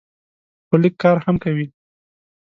خو لږ کار هم کوي.